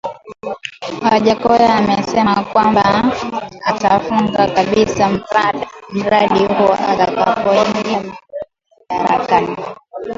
Wajackoya amesema kwamba atafunga kabisa mradi huo atakapoingia madarakani